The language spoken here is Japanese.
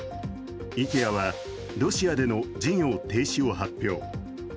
イケアはロシアでの事業停止を発表。